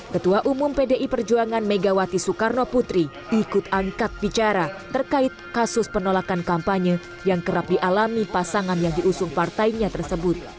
ketua umum pdi perjuangan megawati soekarno putri ikut angkat bicara terkait kasus penolakan kampanye yang kerap dialami pasangan yang diusung partainya tersebut